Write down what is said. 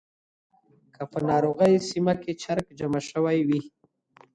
که په ناروغۍ سیمه کې چرک جمع شوی وي.